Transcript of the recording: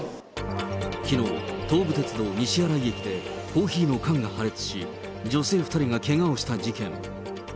きのう、東武鉄道西新井駅でコーヒーの缶が破裂し、女性２人がけがをした事件。